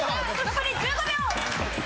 残り１５秒！